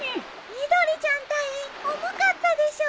みどりちゃん隊員重かったでしょ。